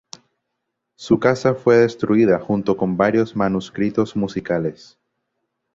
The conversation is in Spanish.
Su casa fue destruida junto con varios manuscritos musicales.